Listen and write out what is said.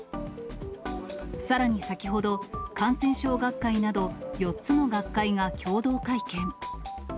さらに先ほど、感染症学会など、４つの学会が共同会見。